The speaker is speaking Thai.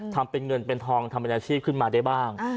ทำเป็นเงินเป็นทองทำเป็นอาชีพขึ้นมาได้บ้าง